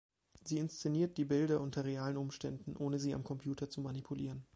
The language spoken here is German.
Sie inszeniert die Bilder unter realen Umständen, ohne sie am Computer zu manipulieren.